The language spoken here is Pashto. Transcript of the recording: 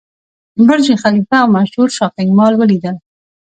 برج خلیفه او مشهور شاپینګ مال ولیدل.